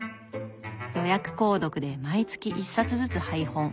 予約購読で毎月一冊ずつ配本。